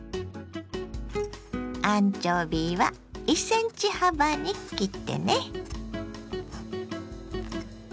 アンチョビは１ｃｍ幅に切ってね。